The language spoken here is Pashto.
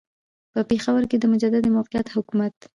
په پېښور کې د مجددي موقت حکومت.